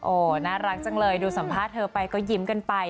โอ้โหน่ารักจังเลยดูสัมภาษณ์เธอไปก็ยิ้มกันไป